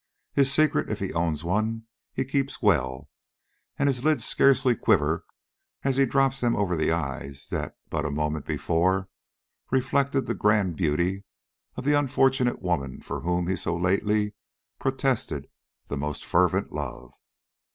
His secret, if he owns one, he keeps well, and his lids scarcely quiver as he drops them over the eyes that but a moment before reflected the grand beauty of the unfortunate woman for whom he so lately protested the most fervent love.